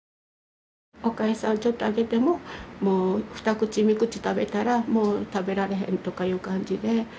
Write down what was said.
おかゆさんをちょっとあげてももう２口３口食べたらもう食べられへんとかいう感じで。